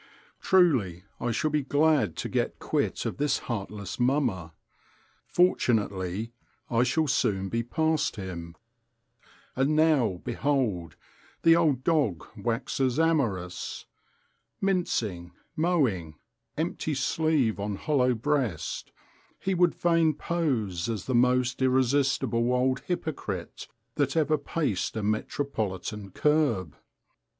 Truly, I shall be glad to get quit of this heartless mummer. Fortunately I shall soon be past him. And now, behold! the old dog waxes amorous. Mincing, mowing, empty sleeve on hollow breast, he would fain pose as the most irresistible old hypocrite that ever paced a metropolitan kerb.